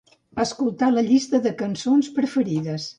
Escoltar la llista de cançons preferides.